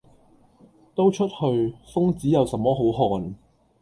「都出去！瘋子有什麼好看！」